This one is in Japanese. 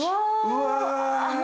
うわ！